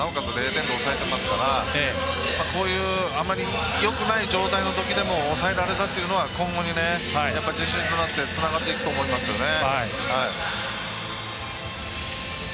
０点で抑えれてますからこういうあまりよくない状態のときにも抑えられたっていうのは今後に自信となってつながっていくと思いますよね。